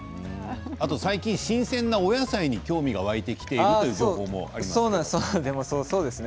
最近、新鮮なお野菜に興味が湧いてきているということですね。